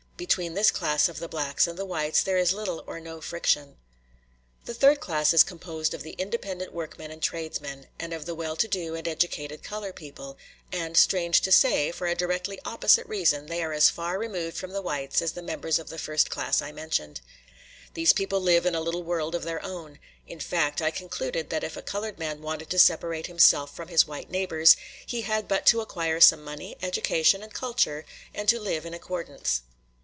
Between this class of the blacks and the whites there is little or no friction. The third class is composed of the independent workmen and tradesmen, and of the well to do and educated colored people; and, strange to say, for a directly opposite reason they are as far removed from the whites as the members of the first class I mentioned. These people live in a little world of their own; in fact, I concluded that if a colored man wanted to separate himself from his white neighbors, he had but to acquire some money, education, and culture, and to live in accordance.